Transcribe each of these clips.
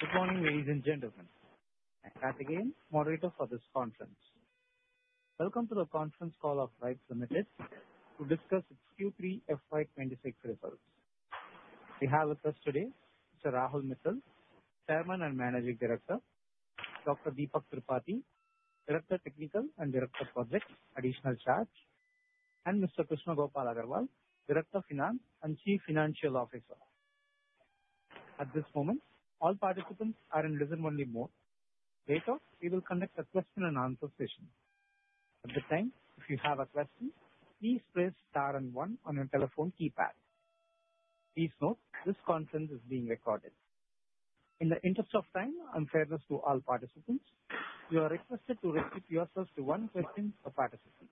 Good morning, ladies and gentlemen. I'm Catherine, moderator for this conference. Welcome to the conference call of RITES Limited to discuss its Q3 FY 2026 results. We have with us today Mr. Rahul Mithal, Chairman and Managing Director, Dr. Deepak Tripathi, Director, Technical and Director, Projects, Additional Charge, and Mr. Krishna Gopal Agarwal, Director, Finance, and Chief Financial Officer. At this moment, all participants are in listen-only mode. Later, we will conduct a question-and-answer session. At the time, if you have a question, please press star and one on your telephone keypad. Please note, this conference is being recorded. In the interest of time and fairness to all participants, you are requested to restrict yourself to one question per participant.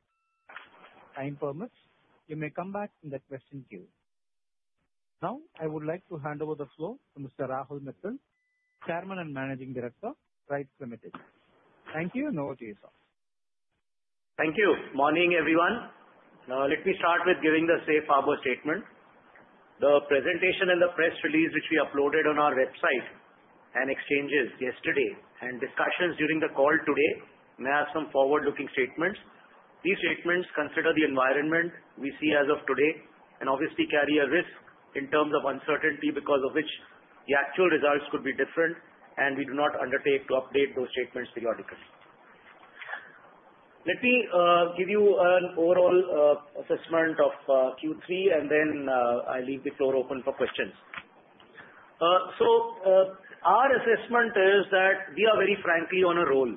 Time permits, you may come back in the question queue. Now, I would like to hand over the floor to Mr. Rahul Mithal, Chairman and Managing Director, RITES Limited. Thank you, and over to you, sir. Thank you. Morning, everyone. Let me start with giving the safe harbor statement. The presentation and the press release, which we uploaded on our website and exchanges yesterday and discussions during the call today, may have some forward-looking statements. These statements consider the environment we see as of today and obviously carry a risk in terms of uncertainty, because of which the actual results could be different, and we do not undertake to update those statements periodically. Let me give you an overall assessment of Q3, and then I'll leave the floor open for questions. So, our assessment is that we are very frankly on a roll.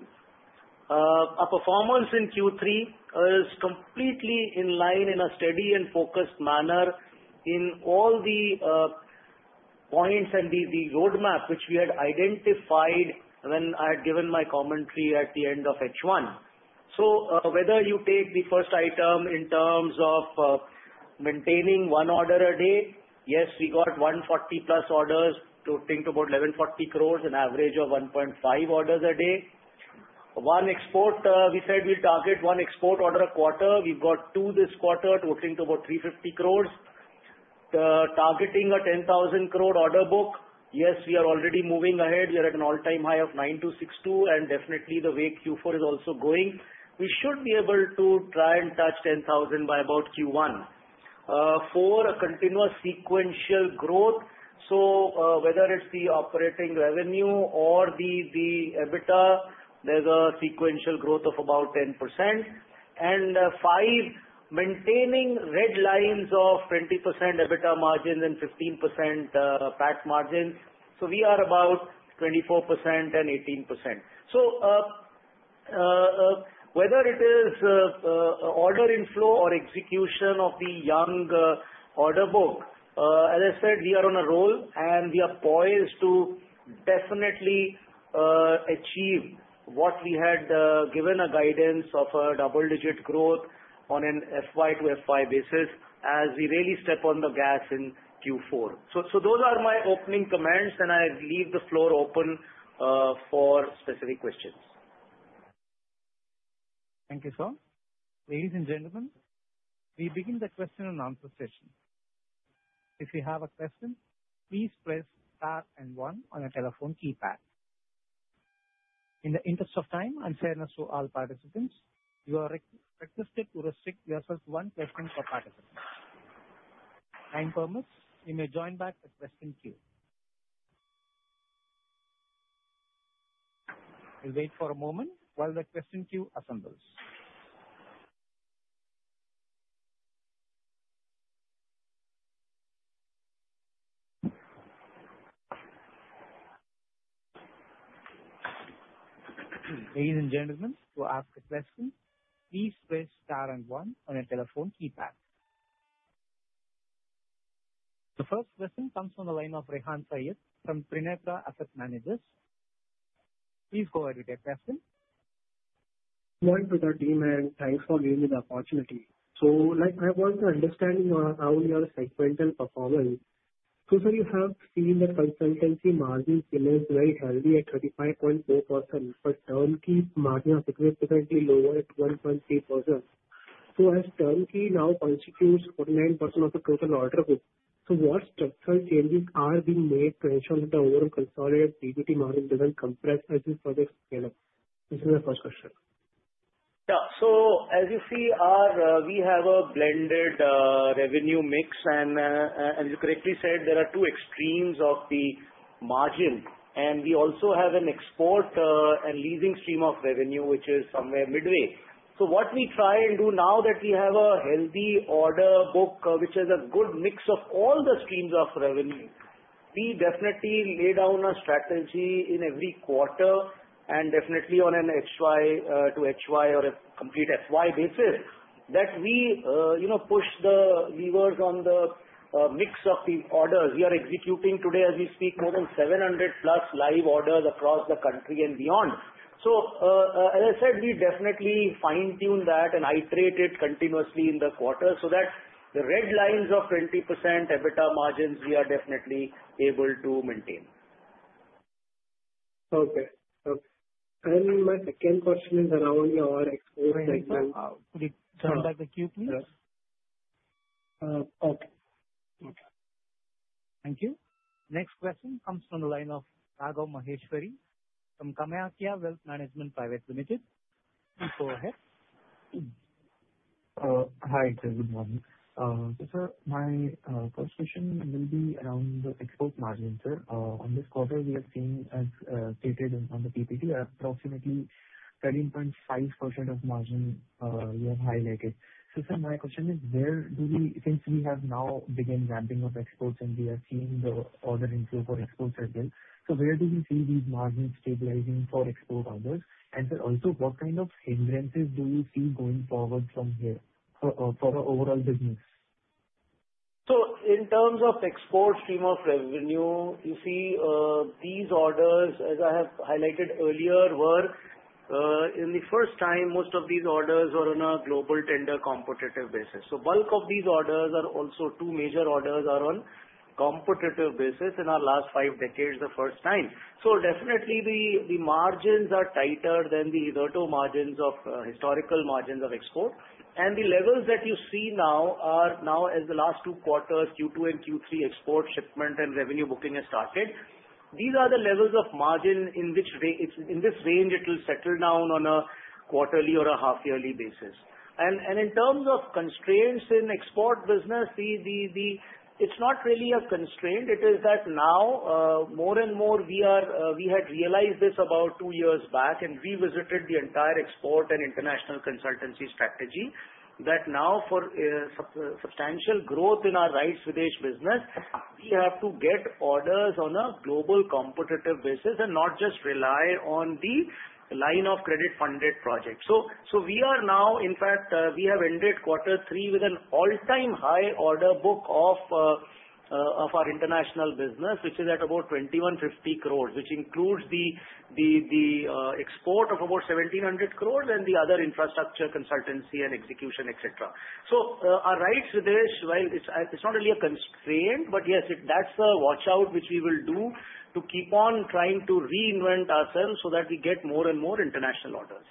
Our performance in Q3 is completely in line, in a steady and focused manner in all the points and the roadmap which we had identified when I had given my commentary at the end of H1. So, whether you take the first item in terms of maintaining one order a day, yes, we got 140+ orders totaling to about 1,140 crores, an average of 1.5 orders a day. One export, we said we'll target one export order a quarter. We've got two this quarter, totaling to about 350 crores. The targeting a 10,000 crore order book, yes, we are already moving ahead. We are at an all-time high of 9,262, and definitely the way Q4 is also going, we should be able to try and touch 10,000 by about Q1. 4, a continuous sequential growth. So, whether it's the operating revenue or the EBITDA, there's a sequential growth of about 10%. And, 5, maintaining red lines of 20% EBITDA margins and 15% PAT margins. So we are about 24% and 18%. So, whether it is order inflow or execution of the ongoing order book, as I said, we are on a roll, and we are poised to definitely achieve what we had given a guidance of a double-digit growth on an FY to FY basis as we really step on the gas in Q4. So those are my opening comments, and I leave the floor open for specific questions. Thank you, sir. Ladies and gentlemen, we begin the question and answer session. If you have a question, please press star and one on your telephone keypad. In the interest of time and fairness to all participants, you are re-requested to restrict yourself to one question per participant. Time permits, you may join back the question queue. We'll wait for a moment while the question queue assembles. Ladies and gentlemen, to ask a question, please press star and one on your telephone keypad. The first question comes from the line of Rehan Syed from Trinetra Asset Managers. Please go ahead with your question. Morning to the team, and thanks for giving me the opportunity. So like, I want to understand your, how your sequential performance. So sir, you have seen the consultancy margin remains very healthy at 35.4%, but turnkey margin are significantly lower at 1.8%. So as turnkey now constitutes 49% of the total order book, so what structural changes are being made to ensure that the overall consolidated PBT margin doesn't compress as the projects scale up? This is my first question. Yeah. So as you see our we have a blended revenue mix, and as you correctly said, there are two extremes of the margin. And we also have an export and leasing stream of revenue, which is somewhere midway. So what we try and do now that we have a healthy order book, which is a good mix of all the streams of revenue, we definitely lay down a strategy in every quarter and definitely on an FY to FY or a complete FY basis, that we you know push the levers on the mix of the orders. We are executing today, as we speak, more than 700+ live orders across the country and beyond. So, as I said, we definitely fine-tune that and iterate it continuously in the quarter so that the red lines of 20% EBITDA margins, we are definitely able to maintain. Okay. My second question is around your export segment- Could you turn back the queue, please? Okay. Okay. Thank you. Next question comes from the line of Raghav Maheshwari from Kamaya Wealth Management Private Limited. Please go ahead. Hi, sir, good morning. So sir, my first question will be around the export margin, sir. On this quarter, we are seeing, as stated on the PPT, approximately 13.5% of margin you have highlighted. So sir, my question is: since we have now begun ramping up exports and we are seeing the order inflow for exports as well, so where do we see these margins stabilizing for export orders? And sir, also, what kind of hindrances do you see going forward from here for the overall business? So in terms of export stream of revenue, you see, these orders, as I have highlighted earlier, were, in the first time, most of these orders were on a global tender competitive basis. So bulk of these orders are also two major orders are on competitive basis in our last five decades, the first time. So definitely, the margins are tighter than the margins of, historical margins of export. And the levels that you see now are as the last two quarters, Q2 and Q3 export shipment and revenue booking has started. These are the levels of margin in which way, it's, in this range, it will settle down on a quarterly or a half yearly basis. And in terms of constraints in export business. It's not really a constraint. It is now, more and more, we had realized this about two years back, and revisited the entire export and international consultancy strategy, that now for substantial growth in our RITES international business, we have to get orders on a global competitive basis and not just rely on the Line of Credit-funded projects. So we are now, in fact, we have ended quarter three with an all-time high order book of our international business, which is at about 2,150 crores, which includes the export of about 1,700 crores and the other infrastructure, consultancy and execution, et cetera. Our RITES with this, while it's, it's not really a constraint, but yes, it, that's a watch-out which we will do to keep on trying to reinvent ourselves so that we get more and more international orders.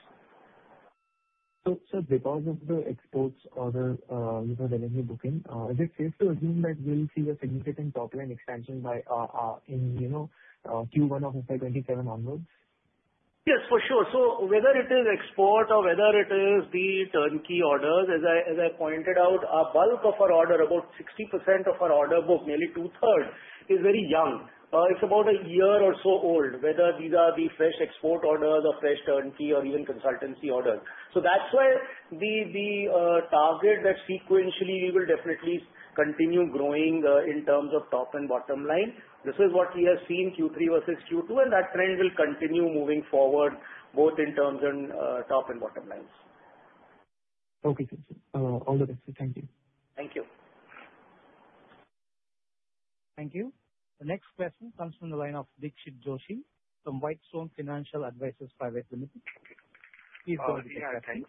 So, sir, because of the exports order, you know, revenue booking, is it safe to assume that we'll see a significant top-line expansion by, in, you know, Q1 of fiscal 2027 onwards? Yes, for sure. So whether it is export or whether it is the turnkey orders, as I, as I pointed out, a bulk of our order, about 60% of our order book, nearly two-thirds, is very young. It's about a year or so old, whether these are the fresh export orders or fresh turnkey or even consultancy orders. So that's why the target that sequentially we will definitely continue growing in terms of top and bottom line. This is what we have seen Q3 versus Q2, and that trend will continue moving forward, both in terms and top and bottom lines. Okay, sir. All the best. Thank you. Thank you. Thank you. The next question comes from the line of Dixit Joshi from Whitestone Financial Advisors Private Limited. Please go ahead. Yeah, thanks.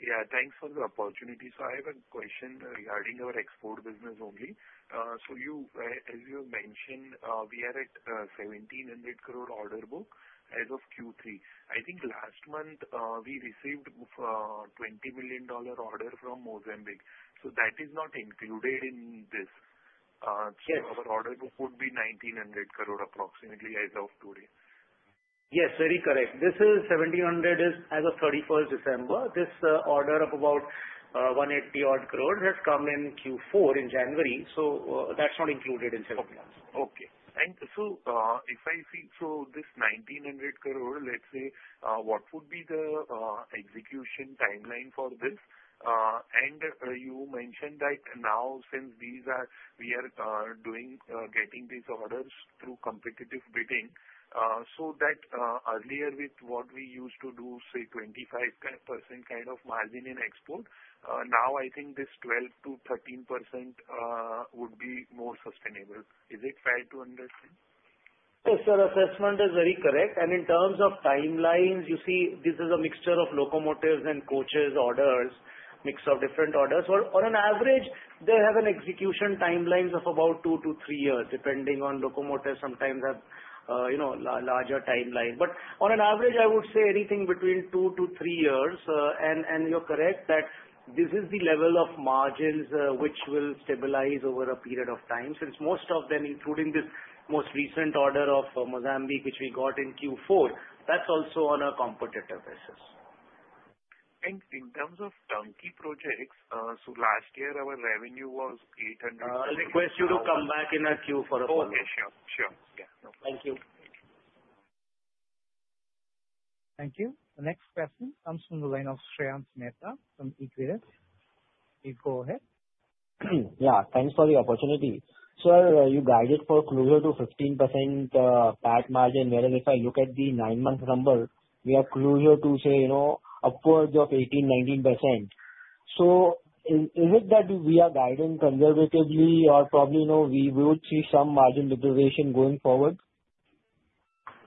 Yeah, thanks for the opportunity. So I have a question regarding our export business only. So you, as you have mentioned, we are at 1,700 crore order book as of Q3. I think last month, we received $20 million order from Mozambique, so that is not included in this. Yes. Our order book would be 1,900 crore, approximately, as of today. Yes, very correct. This is 1,700 as of 31st December. This order of about 180 crore has come in Q4 in January, so that's not included in 1,700. Okay. And so, if I see, so this 1,900 crore, let's say, what would be the execution timeline for this? And, you mentioned that now, since these are, we are doing getting these orders through competitive bidding, so that, earlier with what we used to do, say, 25 kind % kind of margin in export, now I think this 12%-13%, would be more sustainable. Is it fair to understand? Yes, your assessment is very correct. And in terms of timelines, you see, this is a mixture of locomotives and coaches orders, mix of different orders. On an average, they have an execution timelines of about 2-3 years, depending on locomotives. Sometimes they have, you know, larger timeline. But on an average, I would say anything between 2-3 years. And you're correct that this is the level of margins, which will stabilize over a period of time, since most of them, including this most recent order of Mozambique, which we got in Q4, that's also on a competitive basis. In terms of turnkey projects, last year our revenue was 800- I request you to come back in our queue for a follow-up. Okay, sure, sure. Yeah. Thank you. Thank you. The next question comes from the line of Shreyans Mehta from Equirus. Please go ahead. Yeah, thanks for the opportunity. Sir, you guided for closer to 15%, whereas if I look at the nine-month number, we are closer to say, you know, upwards of 18%-19%. So is it that we are guiding conservatively or probably, you know, we will see some margin deterioration going forward?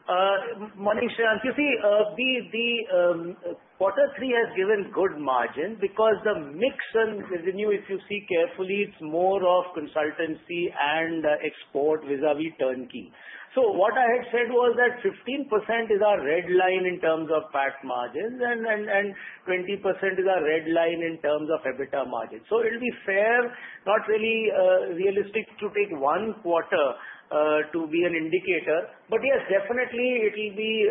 Manish, you see, vis-a-vis quarter three has given good margin because the mix and revenue, if you see carefully, it's more of consultancy and export vis-a-vis turnkey. So what I had said was that 15% is our red line in terms of PAT margins and twenty percent is our red line in terms of EBITDA margins. So it'll be fair, not really realistic to take one quarter to be an indicator. But yes, definitely it'll be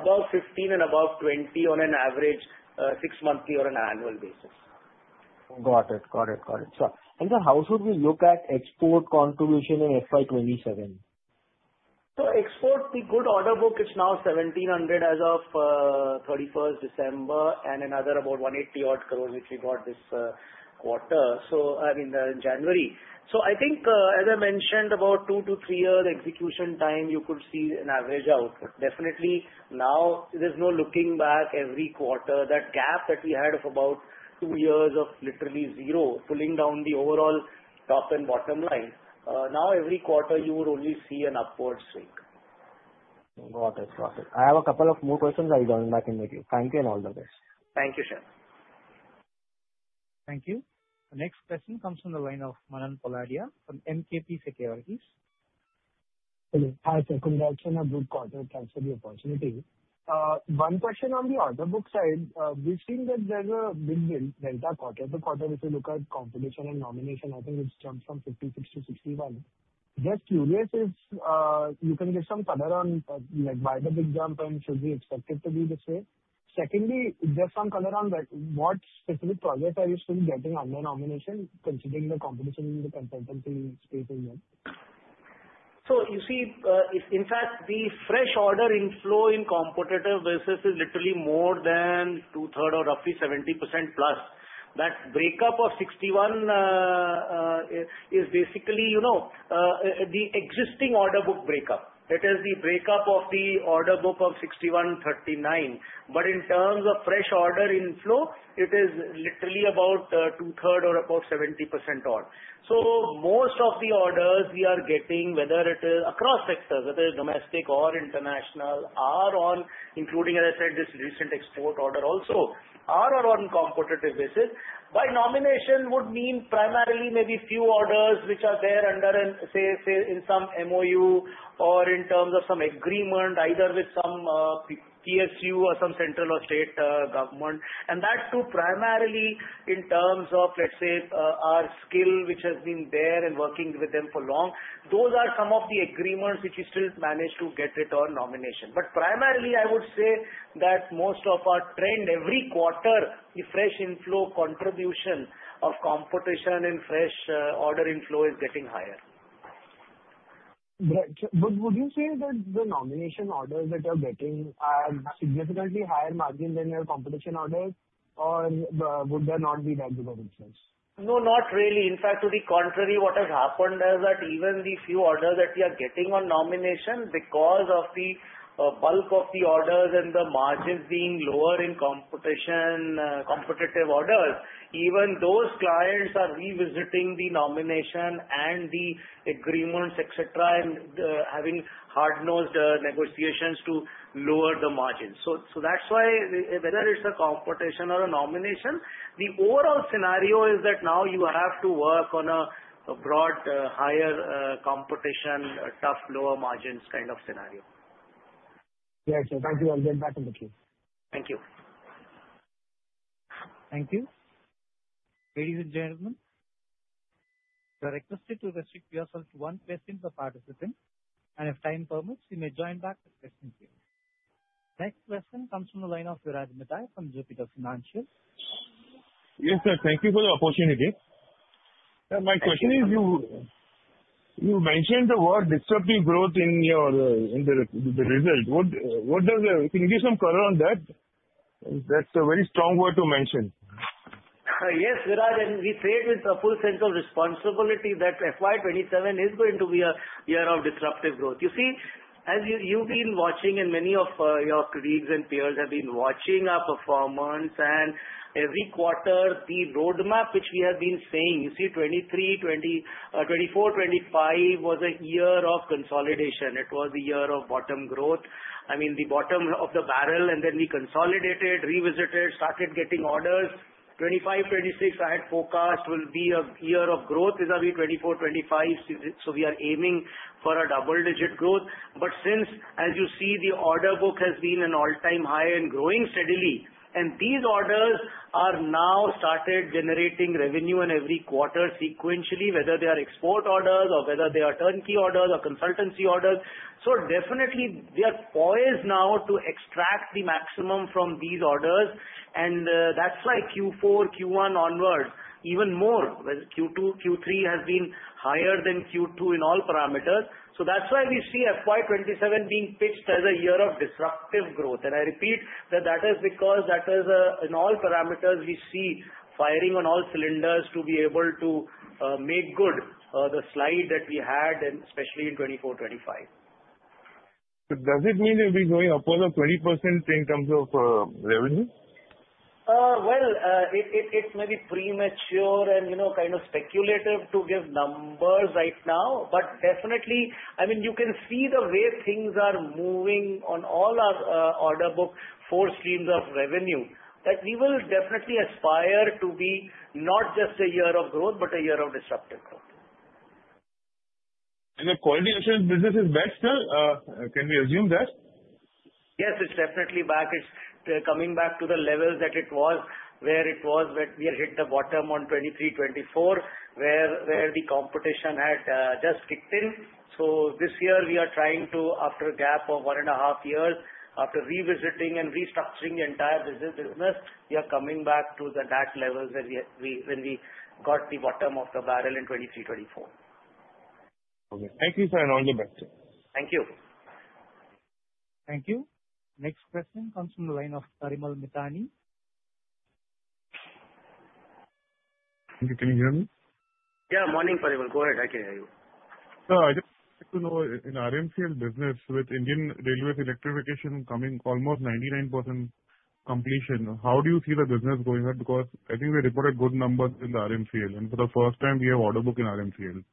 above fifteen and above twenty on an average six monthly or an annual basis. Got it! Got it, got it. So, how should we look at export contribution in FY 2027? So export, the good order book is now 1,700 crores as of December 31, and another about 180 odd crores, which we got this quarter, so I mean in January. So I think, as I mentioned, about 2-3 years execution time, you could see an average out. Definitely now, there's no looking back every quarter. That gap that we had of about 2 years of literally zero, pulling down the overall top and bottom line, now every quarter you would only see an upward swing. Got it. Got it. I have a couple of more questions. I'll join back in with you. Thank you and all the best. Thank you, sir. Thank you. The next question comes from the line of Manan Poladia from MKP Securities. Hello. Hi, sir. Congratulations on a good quarter. Thanks for the opportunity. One question on the order book side. We've seen that there's a big delta quarter-over-quarter. If you look at competition and nomination, I think it's jumped from 56 to 61. Just curious if you can give some color on, like, why the big jump, and should we expect it to be the same? Secondly, just some color on what specific projects are you still getting under nomination, considering the competition in the consultancy space in there? So you see, in fact, the fresh order inflow on competitive basis is literally more than two-thirds or roughly 70%+. That breakup of 61 is basically, you know, the existing order book breakup. It is the breakup of the order book of 61, 39. But in terms of fresh order inflow, it is literally about two-thirds or above 70% odd. So most of the orders we are getting, whether it is across sectors, whether it's domestic or international, are on, including, as I said, this recent export order also, competitive basis. By nomination would mean primarily maybe few orders which are there under, in say, some MOU or in terms of some agreement, either with some PSU or some central or state government. That too, primarily in terms of, let's say, our skill, which has been there and working with them for long. Those are some of the agreements which we still manage to get it on nomination. But primarily, I would say that most of our trend, every quarter, the fresh inflow contribution of competition and fresh, order inflow is getting higher. Great. But would you say that the nomination orders that you're getting are significantly higher margin than your competition orders, or, would they not be that different? No, not really. In fact, to the contrary, what has happened is that even the few orders that we are getting on nomination, because of the, bulk of the orders and the margins being lower in competition, competitive orders, even those clients are revisiting the nomination and the agreements, et cetera, and, having hard-nosed, negotiations to lower the margins. So, so that's why, whether it's a competition or a nomination, the overall scenario is that now you have to work on a, a broad, higher, competition, a tough, lower margins kind of scenario. Yes, sir. Thank you. I'll get back in the queue. Thank you. Thank you. Ladies and gentlemen, you are requested to restrict yourself to 1 question per participant, and if time permits, you may join back with question queue. Next question comes from the line of Viraj Mithani from Jupiter Financial. Yes, sir, thank you for the opportunity. My question is you mentioned the word disruptive growth in your in the result. What does the, can you give some color on that? That's a very strong word to mention. Yes, Viraj, and we say it with a full sense of responsibility that FY 2027 is going to be a year of disruptive growth. You see, as you, you've been watching and many of your colleagues and peers have been watching our performance, and every quarter, the roadmap which we have been saying, you see, 2023, 2024, 2025 was a year of consolidation. It was a year of bottom growth. I mean, the bottom of the barrel, and then we consolidated, revisited, started getting orders. 2025, 2026, I had forecast will be a year of growth, vis-à-vis 2024, 2025, so we are aiming for a double-digit growth. But since, as you see, the order book has been an all-time high and growing steadily, and these orders are now started generating revenue in every quarter sequentially, whether they are export orders or whether they are turnkey orders or consultancy orders. So definitely, we are poised now to extract the maximum from these orders, and that's why Q4, Q1 onwards, even more, well, Q2, Q3 has been higher than Q2 in all parameters. So that's why we see FY 2027 being pitched as a year of disruptive growth. And I repeat that that is because that is, in all parameters, we see firing on all cylinders to be able to make good the slide that we had, and especially in 2024, 2025. Does it mean you'll be growing upwards of 20% in terms of revenue? Well, it may be premature and, you know, kind of speculative to give numbers right now, but definitely, I mean, you can see the way things are moving on all our order book, four streams of revenue, that we will definitely aspire to be not just a year of growth, but a year of disruptive growth. The quality assurance business is back still. Can we assume that? Yes, it's definitely back. It's coming back to the levels that it was, where it was when we had hit the bottom on 2023, 2024, where the competition had just kicked in. So this year we are trying to, after a gap of one and a half years, after revisiting and restructuring the entire business, business, we are coming back to the that levels that we, we - when we got the bottom of the barrel in 2023, 2024. Okay. Thank you, sir, and all the best. Thank you. Thank you. Next question comes from the line of Parimal Mithani. Hello, can you hear me? Yeah. Morning, Parimal. Go ahead. I can hear you. Sir, I just want to know, in REMCL business, with Indian Railways electrification coming almost 99% completion, how do you see the business going ahead? Because I think they reported good numbers in the REMCL, and for the first time we have order book in REMCL.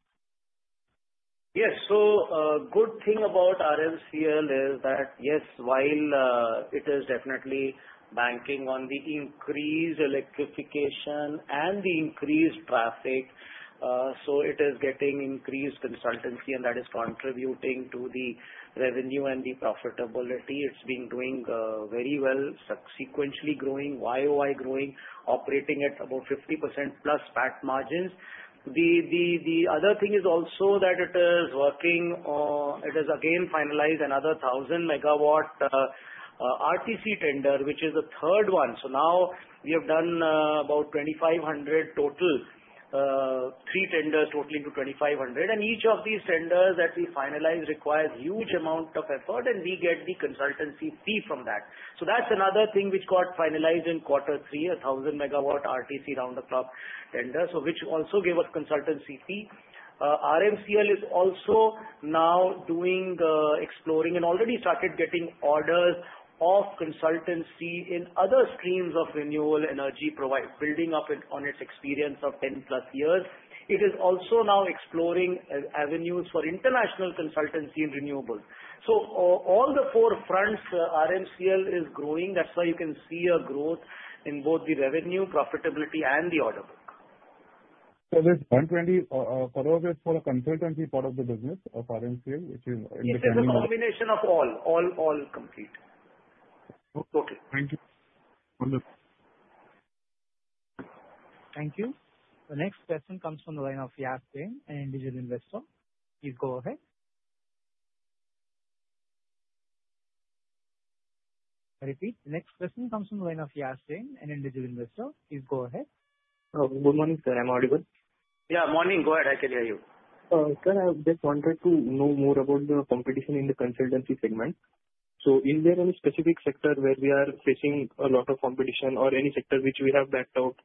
Yes. So, good thing about REMC is that, yes, while it is definitely banking on the increased electrification and the increased traffic, so it is getting increased consultancy, and that is contributing to the revenue and the profitability. It's been doing very well, sequentially growing, YOY growing, operating at about 50%+ PAT margins. The other thing is also that it is working. It has again finalized another 1,000 MW RTC tender, which is the third one. So now we have done about 2,500 total, three tenders totaling to 2,500, and each of these tenders that we finalize requires huge amount of effort, and we get the consultancy fee from that. So that's another thing which got finalized in quarter three, a 1,000 MW RTC round-the-clock tender, so which also gave us consultancy fee. REMC is also now doing, exploring and already started getting orders of consultancy in other streams of renewable energy provide, building up it on its experience of 10+ years. It is also now exploring avenues for international consultancy in renewables. So all the four fronts, REMC is growing. That's why you can see a growth in both the revenue, profitability, and the order book. This 120 crore is for the consultancy part of the business of REMC, which is- It is a combination of all complete. Okay. Thank you. Wonderful. Thank you. The next question comes from the line of Yash Jain, an individual investor. Please go ahead. I repeat, next question comes from the line of Yash Jain, an individual investor. Please go ahead. Good morning, sir. I'm audible? Yeah, morning. Go ahead. I can hear you. Sir, I just wanted to know more about the competition in the consultancy segment. So is there any specific sector where we are facing a lot of competition, or any sector which we have backed out,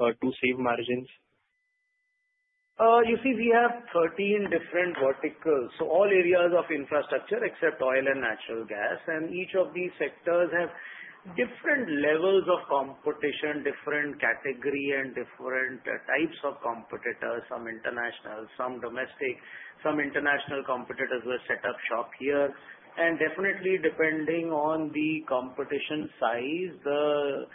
to save margins? You see, we have 13 different verticals, so all areas of infrastructure except oil and natural gas, and each of these sectors have different levels of competition, different category and different types of competitors, some international, some domestic. Some international competitors have set up shop here, and definitely depending on the competition size, the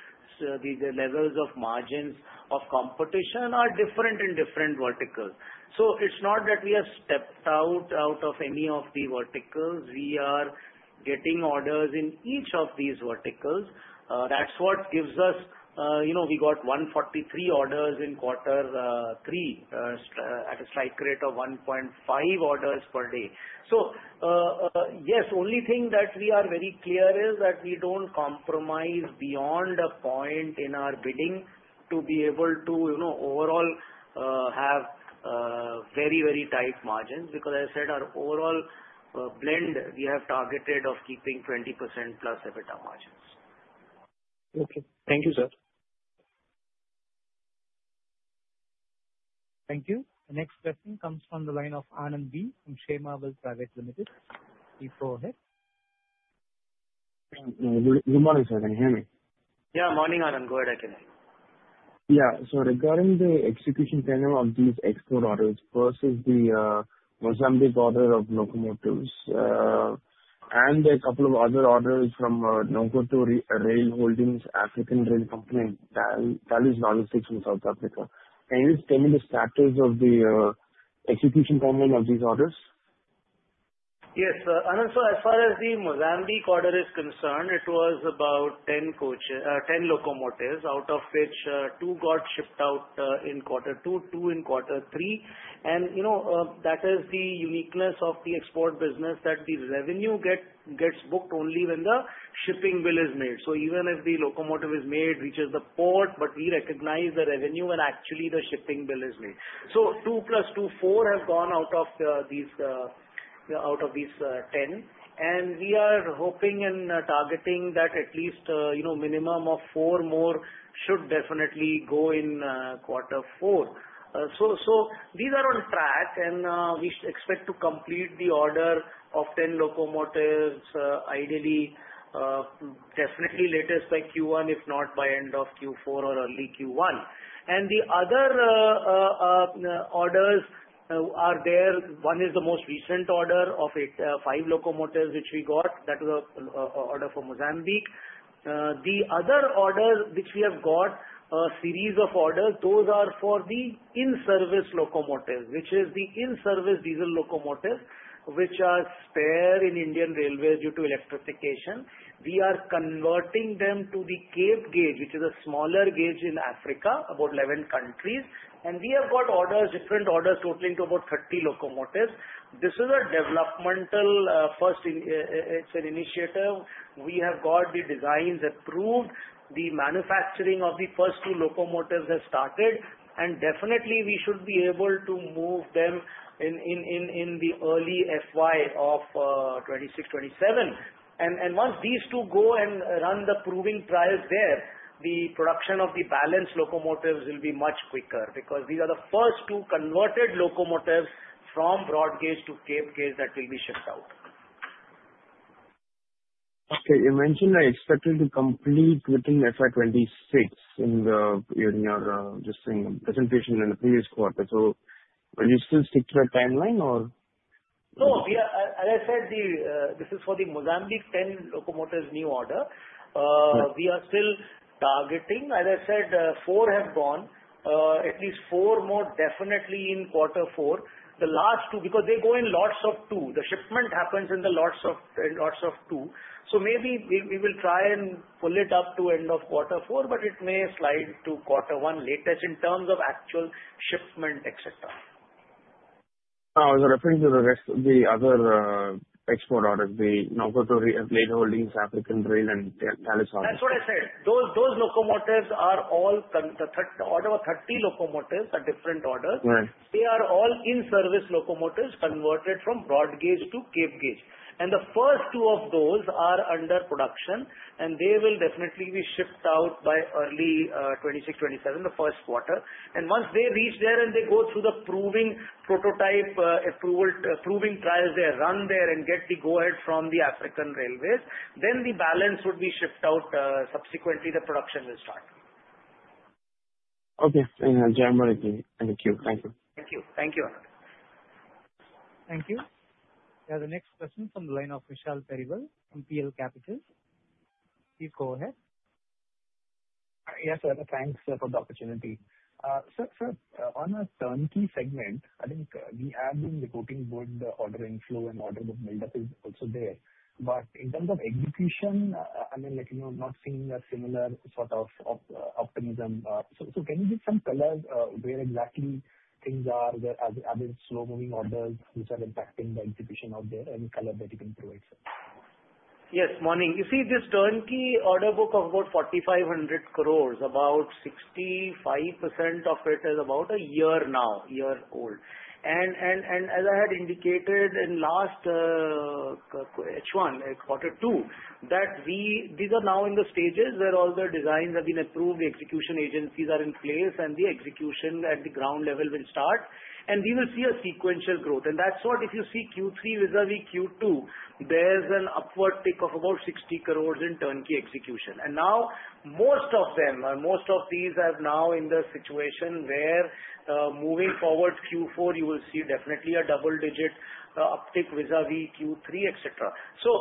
levels of margins of competition are different in different verticals. So it's not that we have stepped out of any of the verticals. We are getting orders in each of these verticals. That's what gives us, you know, we got 143 orders in quarter three, at a strike rate of 1.5 orders per day. Yes, only thing that we are very clear is that we don't compromise beyond a point in our bidding to be able to, you know, overall have very, very tight margins, because as I said, our overall blend we have targeted of keeping 20%+ EBITDA margins. Okay. Thank you, sir. Thank you. The next question comes from the line of Anand B. from Sharemarket Private Limited. Please go ahead. Good morning, sir. Can you hear me? Yeah. Morning, Anand. Go ahead. I can hear you. Yeah. So regarding the execution timeline of these export orders versus the Mozambique order of locomotives, and a couple of other orders from Nacala Rail Holdings, African Rail Company, and Tsala Logistics in South Africa. Can you explain me the status of the execution timeline of these orders? Yes, sir. Anand, so as far as the Mozambique order is concerned, it was about 10 coach, 10 locomotives, out of which, two got shipped out, in quarter two, two in quarter three, and, you know, that is the uniqueness of the export business, that the revenue get, gets booked only when the shipping bill is made. So even if the locomotive is made, reaches the port, but we recognize the revenue when actually the shipping bill is made. So 2 + 2, 4 have gone out of, these, out of these, 10. And we are hoping and targeting that at least, you know, minimum of 4 more should definitely go in, quarter four. So these are on track, and we expect to complete the order of 10 locomotives, ideally, definitely latest by Q1, if not by end of Q4 or early Q1. And the other orders are there. One is the most recent order of 85 locomotives, which we got. That was a order from Mozambique. The other order, which we have got, a series of orders, those are for the in-service locomotives, which is the in-service diesel locomotives, which are spare in Indian Railways due to electrification. We are converting them to the Cape Gauge, which is a smaller gauge in Africa, about 11 countries. And we have got orders, different orders totaling to about 30 locomotives. This is a developmental first, it's an initiative. We have got the designs approved. The manufacturing of the first two locomotives has started, and definitely we should be able to move them in the early FY of 2026-2027. And once these two go and run the proving trials there, the production of the balanced locomotives will be much quicker, because these are the first two converted locomotives from Broad Gauge to Cape Gauge that will be shipped out. Okay. You mentioned expected to complete within FY 2026 in your just in presentation in the previous quarter. So will you still stick to that timeline, or? No, we are, as I said, the, this is for the Mozambique 10 locomotives new order. Right. We are still targeting, as I said, 4 have gone, at least 4 more definitely in quarter four. The last two, because they go in lots of 2. The shipment happens in lots of 2. So maybe we will try and pull it up to end of quarter four, but it may slide to quarter one, latest, in terms of actual shipment, et cetera. With reference to the rest, the other, export orders, the Nogatole Rail Holdings, African Rail Company, and Thales Logistics orders. That's what I said. Those locomotives are all converted. The third order of 30 locomotives are different orders. Right. They are all in-service locomotives converted from broad gauge to Cape Gauge. The first 2 of those are under production, and they will definitely be shipped out by early 2026-2027, the first quarter. Once they reach there and they go through the proving prototype approval, proving trials, they run there and get the go-ahead from the African Railways, then the balance would be shipped out. Subsequently, the production will start. Okay, in a general agreement. Thank you. Thank you. Thank you. Thank you, Anand. Thank you. The next question from the line of Vishal Periwal from PL Capital. Please go ahead. Yes, sir. Thanks, sir, for the opportunity. So, sir, on a turnkey segment, I think, we have been reporting both the ordering flow and order book buildup is also there. But in terms of execution, I mean, like, you know, not seeing a similar sort of, of, optimism. So, can you give some colors, where exactly things are? Where are there slow-moving orders which are impacting the execution out there, and color that improvement? Yes, morning. You see this turnkey order book of about 4,500 crores, about 65% of it is about a year now, year old. And as I had indicated in last Q1-H1, quarter two, that we—these are now in the stages where all the designs have been approved, the execution agencies are in place, and the execution at the ground level will start. And we will see a sequential growth. And that's what if you see Q3 vis-a-vis Q2, there's an upward tick of about 60 crores in turnkey execution. And now most of them or most of these are now in the situation where, moving forward Q4, you will see definitely a double digit uptick vis-a-vis Q3, etc. So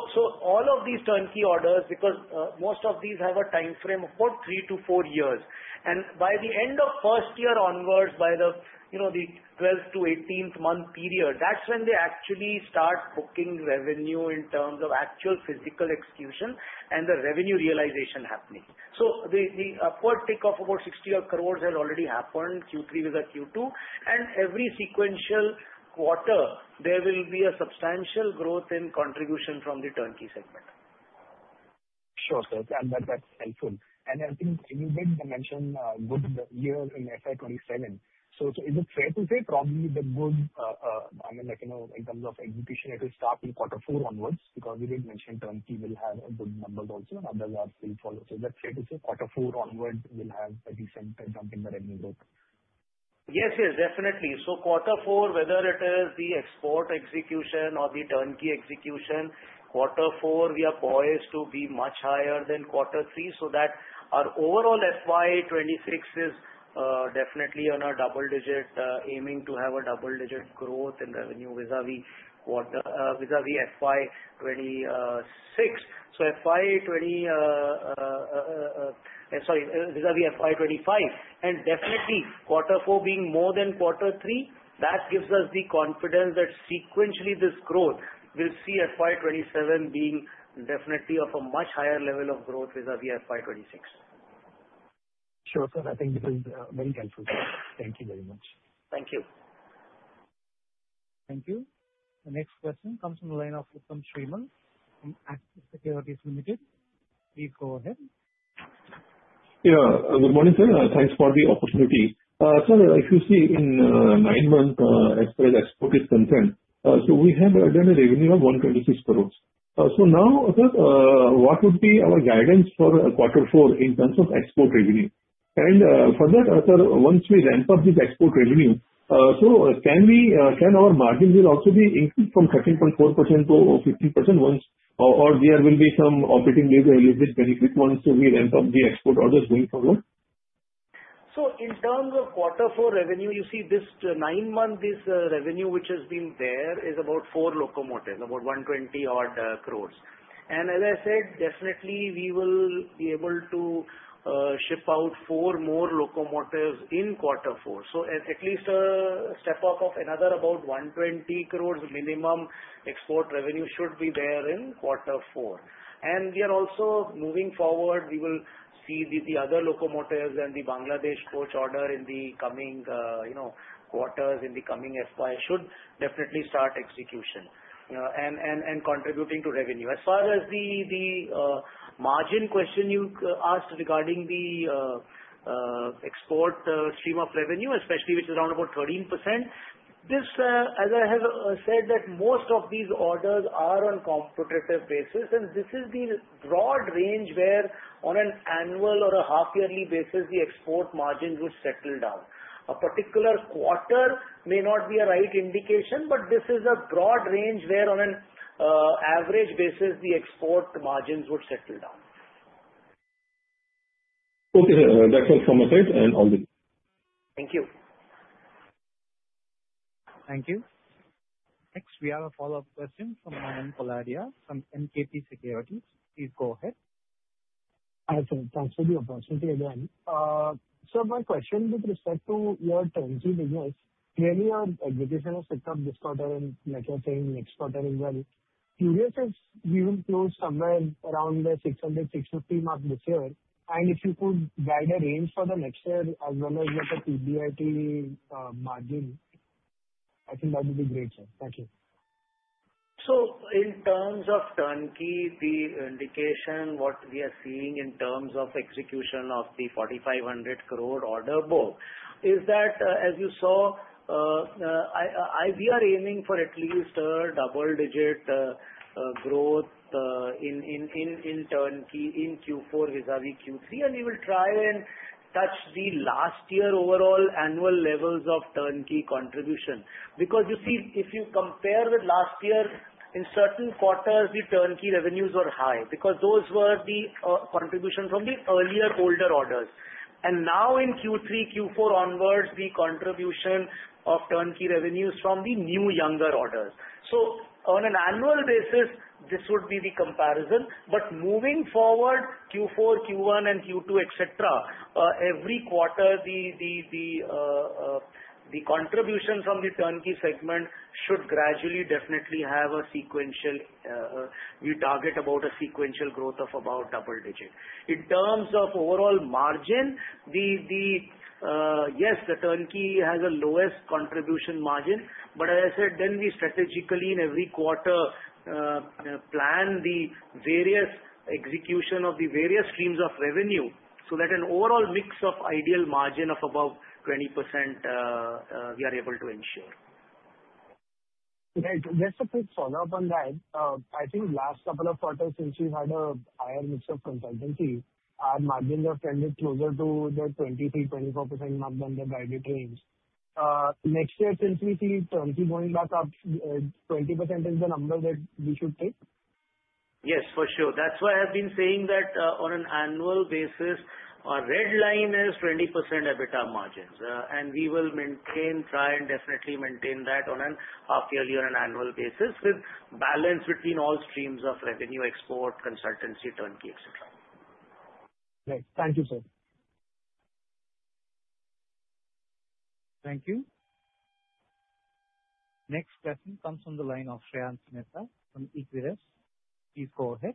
all of these turnkey orders, because most of these have a timeframe of about 3-4 years. And by the end of first year onwards, by the, you know, the 12th-18th month period, that's when they actually start booking revenue in terms of actual physical execution and the revenue realization happening. So the, the upward tick of about 60 crore has already happened, Q3 with the Q2. And every sequential quarter, there will be a substantial growth in contribution from the turnkey segment. Sure, sir, and that, that's helpful. I think you did mention, good year in FY 2027. So is it fair to say probably the good, I mean, like, you know, in terms of execution, it will start in quarter four onwards? Because you did mention turnkey will have a good number also, and others are still follow. So is that fair to say quarter four onwards will have a decent jump in the revenue growth? Yes, yes, definitely. So quarter four, whether it is the export execution or the turnkey execution, quarter four, we are poised to be much higher than quarter three, so that our overall FY 2026 is definitely on a double digit, aiming to have a double digit growth in revenue vis-a-vis quarter, vis-a-vis FY 2025. Sorry, vis-a-vis FY 2025. And definitely, quarter four being more than quarter three, that gives us the confidence that sequentially this growth will see FY 2027 being definitely of a much higher level of growth vis-a-vis FY 2026. Sure, sir. I think this is very helpful. Thank you very much. Thank you. Thank you. The next question comes from the line of Uttam Sriman from Axis Securities Limited. Please go ahead. Yeah. Good morning, sir. Thanks for the opportunity. So if you see in nine months, as far as export is concerned, so we have done a revenue of 126 crore. So now, sir, what would be our guidance for quarter four in terms of export revenue? And, for that, sir, once we ramp up this export revenue, so can we, can our margins will also be increased from 13.4% to 50% once, or, or there will be some operating leverage benefit once we ramp up the export orders going forward? So in terms of quarter four revenue, you see this, nine months, this, revenue, which has been there, is about four locomotives, about 120 odd crores. And as I said, definitely we will be able to, ship out four more locomotives in quarter four. So at least a step up of another about 120 crores minimum export revenue should be there in quarter four. And we are also moving forward, we will see the, the other locomotives and the Bangladesh coach order in the coming, you know, quarters, in the coming FY should definitely start execution, and, and, and contributing to revenue. As far as the margin question you asked regarding the export stream of revenue, especially, which is around about 13%, this, as I have said, that most of these orders are on competitive basis, and this is the broad range where on an annual or a half yearly basis, the export margins would settle down. A particular quarter may not be a right indication, but this is a broad range where on an average basis, the export margins would settle down. Okay, sir. That's all from my side and all the best. Thank you. Thank you. Next, we have a follow-up question from Manan Poladia from MKP Securities. Please go ahead. Hi, sir. Thanks for the opportunity again. So my question with respect to your turnkey business, clearly your execution has picked up this quarter and like you're saying next quarter as well. Curious if we will close somewhere around the 600-650 mark this year, and if you could guide a range for the next year as well as like the PBIT margin, I think that would be great, sir. Thank you. So in terms of turnkey, the indication, what we are seeing in terms of execution of the 4,500 crore order book, is that, as you saw, we are aiming for at least a double-digit growth in turnkey in Q4 vis-a-vis Q3, and we will try and touch the last year overall annual levels of turnkey contribution. Because, you see, if you compare with last year, in certain quarters, the turnkey revenues were high because those were the contribution from the earlier older orders. And now in Q3, Q4 onwards, the contribution of turnkey revenues from the new younger orders. So on an annual basis, this would be the comparison. But moving forward, Q4, Q1, and Q2, et cetera, every quarter, the contribution from the turnkey segment should gradually, definitely have a sequential, we target about a sequential growth of about double digit. In terms of overall margin, yes, the turnkey has a lowest contribution margin, but as I said, then we strategically in every quarter plan the various execution of the various streams of revenue, so that an overall mix of ideal margin of above 20%, we are able to ensure. Great. Just a quick follow-up on that. I think last couple of quarters, since we've had a higher mix of consultancy, our margins have trended closer to the 23%-24% mark than the guided range. Next year, since we see turnkey going back up, 20% is the number that we should take? Yes, for sure. That's why I've been saying that, on an annual basis, our red line is 20% EBITDA margins. And we will maintain, try and definitely maintain that on an half yearly on an annual basis with balance between all streams of revenue, export, consultancy, turnkey, et cetera. Great. Thank you, sir. Thank you. Next question comes from the line of Shreyans Mehta from Equirus. Please go ahead.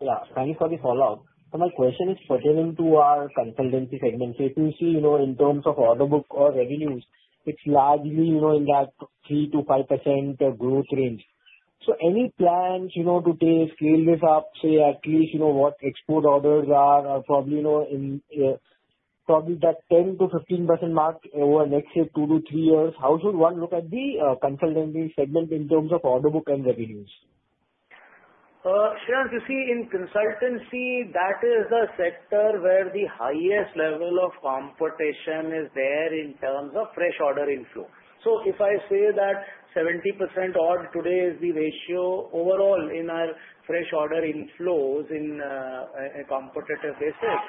Yeah, thank you for the follow-up. So my question is pertaining to our consultancy segment. So if you see, you know, in terms of order book or revenues, it's largely, you know, in that 3%-5% growth range. So any plans, you know, to take scale this up, say, at least you know, what export orders are, or probably, you know, in, probably that 10%-15% mark over the next 2-3 years? How should one look at the consultancy segment in terms of order book and revenues? Shreyans, you see, in consultancy, that is a sector where the highest level of competition is there in terms of fresh order inflow. So if I say that 70% odd today is the ratio overall in our fresh order inflows in a competitive basis,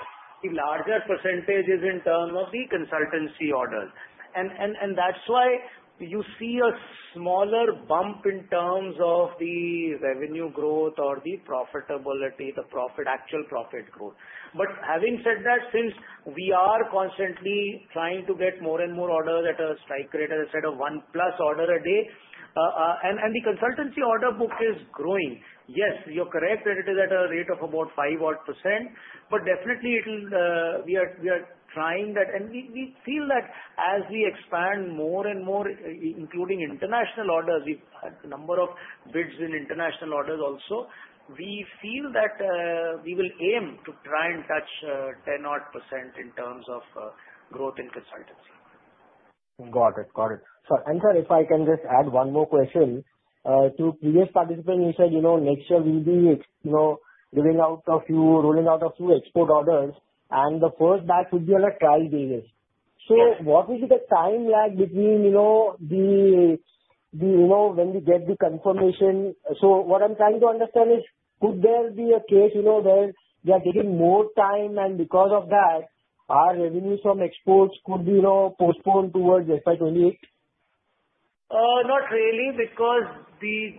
the larger percentage is in term of the consultancy orders. And that's why you see a smaller bump in terms of the revenue growth or the profitability, the profit, actual profit growth. But having said that, since we are constantly trying to get more and more orders at a strike rate, as I said, of 1+ order a day, and the consultancy order book is growing. Yes, you're correct, that it is at a rate of about 5% odd, but definitely it will, we are trying that. We feel that as we expand more and more, including international orders, we've had number of bids in international orders also. We feel that we will aim to try and touch 10 odd% in terms of growth in consultancy. Got it. Got it. So, and sir, if I can just add one more question. To previous participant you said, you know, next year we'll be ex- you know, giving out a few, rolling out a few export orders, and the first batch would be on a trial basis. So what will be the time lag between, you know, the, you know, when we get the confirmation? So what I'm trying to understand is, could there be a case, you know, where we are taking more time, and because of that, our revenues from exports could be, you know, postponed towards FY 2028? Not really, because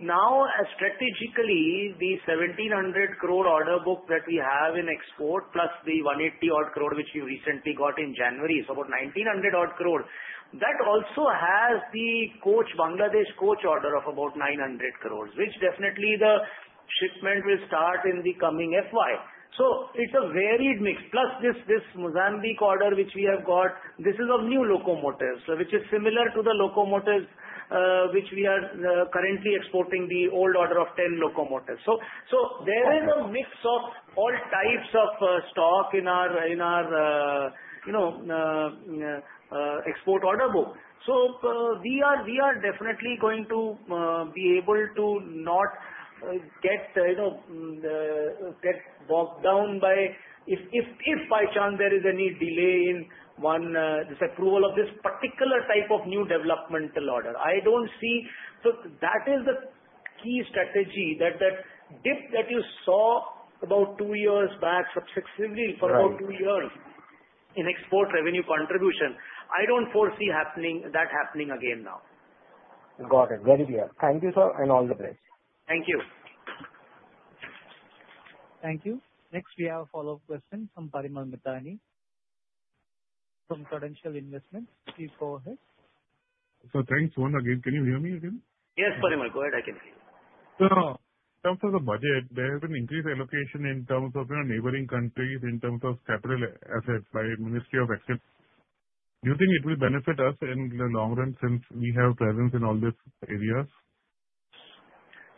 now, as strategically, the 1,700 crore order book that we have in export, plus the 180 odd crore which we recently got in January, is about 1,900 odd crore. That also has the coach, Bangladesh coach order of about 900 crore, which definitely the shipment will start in the coming FY. So it's a varied mix. Plus this, this Mozambique order, which we have got, this is of new locomotives, which is similar to the locomotives, which we are currently exporting the old order of 10 locomotives. So there is a mix of all types of stock in our, you know, export order book. So, we are definitely going to be able to not get, you know, get bogged down by if by chance there is any delay in one this approval of this particular type of new developmental order. I don't see... So that is the key strategy that dip that you saw about two years back, successively- Right. for about two years in export revenue contribution, I don't foresee that happening again now. Got it. Very clear. Thank you, sir, and all the best. Thank you. Thank you. Next, we have a follow-up question from Parimal Mithani, from Credential Investments. Please go ahead. Thanks, once again. Can you hear me again? Yes, Parimal, go ahead. I can hear you. In terms of the budget, there has been increased allocation in terms of your neighboring countries, in terms of capital assets by Ministry of External Affairs. Do you think it will benefit us in the long run since we have presence in all these areas?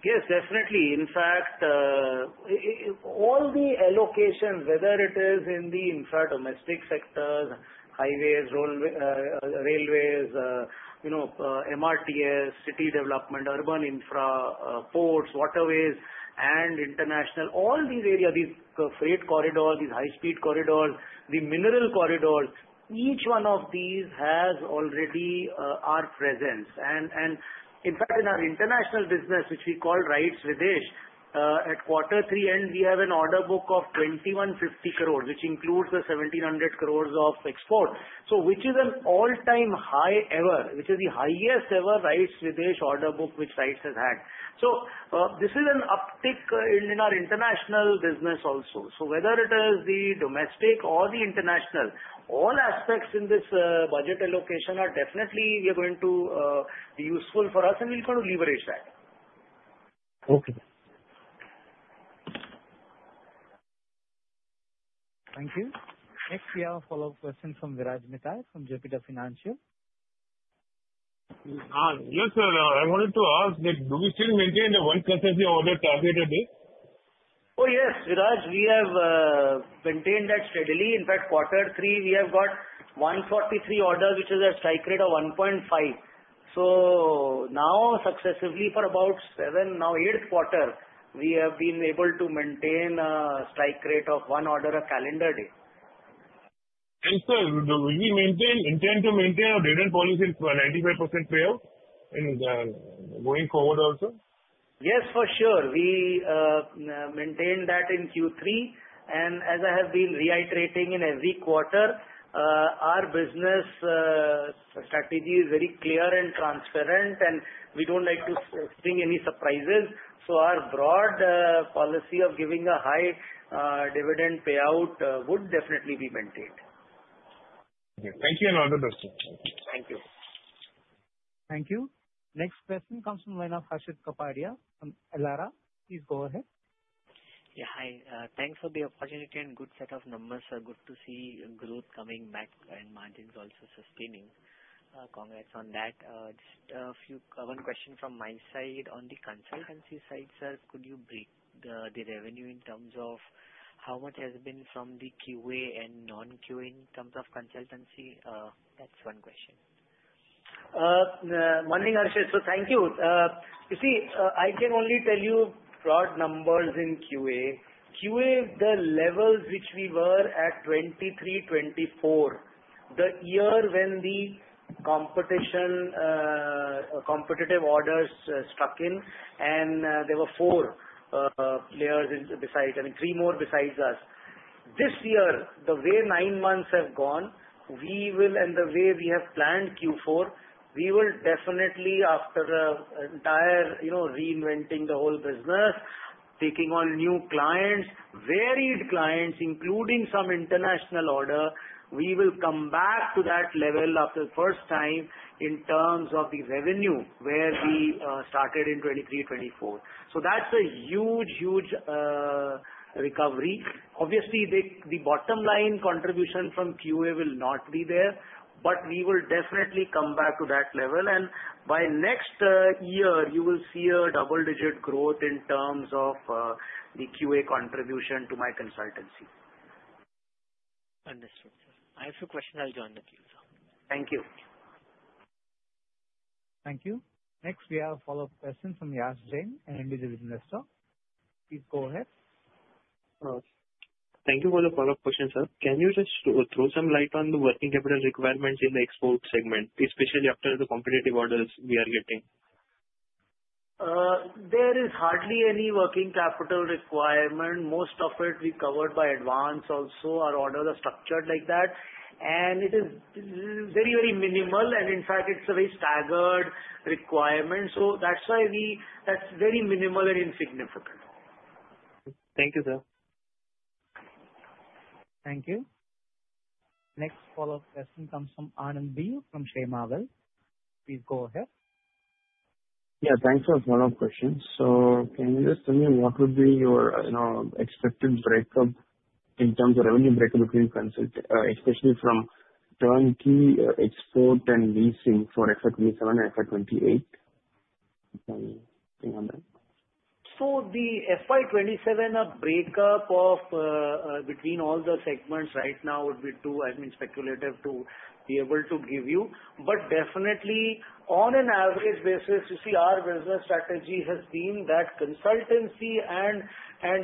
Yes, definitely. In fact, all the allocations, whether it is in the intra-domestic sectors, highways, railway, railways, you know, MRTS, city development, urban infra, ports, waterways and international, all these areas, these freight corridors, these high-speed corridors, the mineral corridors, each one of these has already our presence. And, in fact, in our international business, which we call RITES Videsh, at quarter three end, we have an order book of 2,150 crores, which includes the 1,700 crores of export. So which is an all-time high ever, which is the highest ever RITES Videsh order book which RITES has had. So, this is an uptick, in our international business also. So whether it is the domestic or the international, all aspects in this budget allocation are definitely going to be useful for us, and we're going to leverage that. Okay. Thank you. Next, we have a follow-up question from Viraj Mithani from Jupiter Financial. Yes, sir. I wanted to ask that do we still maintain the one customer order target a day? Oh, yes, Viraj, we have maintained that steadily. In fact, quarter three, we have got 143 orders, which is a strike rate of 1.5. So now, successively, for about 7, now 8 quarters, we have been able to maintain a strike rate of one order a calendar day. Sir, do we maintain, intend to maintain our dividend policy to a 95% payout in, going forward also? Yes, for sure. We maintained that in Q3, and as I have been reiterating in every quarter, our business strategy is very clear and transparent, and we don't like to spring any surprises. So our broad policy of giving a high dividend payout would definitely be maintained. Okay. Thank you, and all the best. Thank you. Thank you. Next question comes from the line of Harshit Kapadia from Elara. Please go ahead. Yeah, hi. Thanks for the opportunity and good set of numbers, sir. Good to see growth coming back and margins also sustaining. Congrats on that. Just a few, one question from my side on the consultancy side, sir. Could you break the revenue in terms of how much has been from the QA and non-QA in terms of consultancy? That's one question. Morning, Harshit. So thank you. You see, I can only tell you broad numbers in QA. QA, the levels which we were at 2023, 2024, the year when the competition, competitive orders, struck in, and there were four players in—besides, I mean, three more besides us. This year, the way nine months have gone, we will, and the way we have planned Q4, we will definitely after the entire, you know, reinventing the whole business, taking on new clients, varied clients, including some international order, we will come back to that level after first time in terms of the revenue where we started in 2023, 2024. So that's a huge, huge, recovery. Obviously, the bottom line contribution from QA will not be there, but we will definitely come back to that level, and by next year, you will see a double-digit growth in terms of the QA contribution to my consultancy. Understood. I have some questions. I'll join with you, sir. Thank you. Thank you. Next, we have a follow-up question from Yash Jain, an individual investor. Please go ahead. Thank you for the follow-up question, sir. Can you just throw some light on the working capital requirements in the export segment, especially after the competitive orders we are getting? There is hardly any working capital requirement. Most of it we covered by advance. Also, our orders are structured like that, and it is very, very minimal, and in fact, it's a very staggered requirement. So that's why that's very minimal and insignificant. Thank you, sir. Thank you. Next follow-up question comes from Anand B., from Sharemarket. Please go ahead. Yeah, thanks for the follow-up question. So can you just tell me what would be your, you know, expected breakup in terms of revenue breakup between consult, export and leasing for FY 2027 and FY 2028? Think on that. So the FY 2027, a breakup of between all the segments right now would be too, I mean, speculative to be able to give you. But definitely on an average basis, you see, our business strategy has been that consultancy and